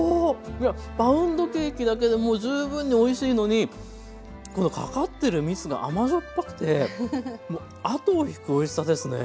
いやパウンドケーキだけでも十分においしいのにこのかかってるみつが甘塩っぱくてもう後を引くおいしさですね。